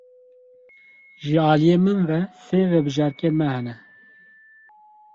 Ji aliyê min ve sê vebijarkên me hene.